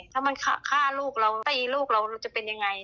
ถ้ามันฆ่าลูกเราตีลูกเราจะเป็นยังไง